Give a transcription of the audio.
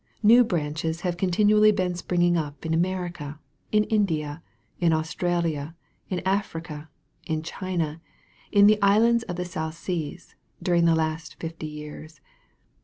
New branches have continually been springing up in America, in India, in Australia, in Africa, in China, in the Islands of the South Seas, during the last fifty years.